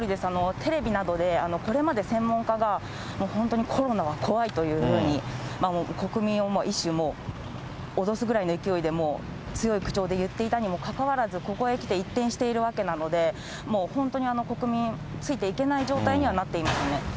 テレビなどで、これまで専門家が、本当にコロナは怖いというふうに国民を一種、脅すぐらいの勢いで強い口調で言っていたにもかかわらず、ここへ来て、一転しているわけなので、もう本当に国民ついていけない状態になっていますね。